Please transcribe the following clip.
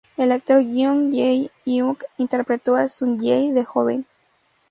El actor Jeong Jae Hyuk interpretó a Sun-jae de joven.